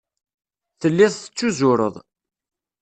Telliḍ tettuzureḍ.